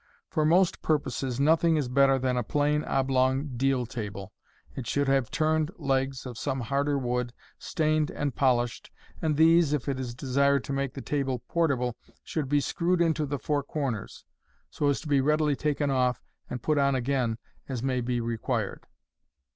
For most purposes nothing it better than a plain oblong deal table. It should have turned legs of some harder wood, stained and polished, and these, if it is desired to make the table portable, should be screwed into the four corners, so as to be readily taken off and put on again as may be re quired.